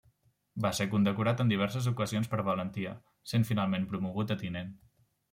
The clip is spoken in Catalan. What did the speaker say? Va ser condecorat en diverses ocasions per valentia, sent finalment promogut a Tinent.